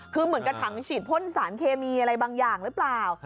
คือเหมือนกับถังฉีดพ่นสารเคมีอะไรบางอย่างหรือเปล่า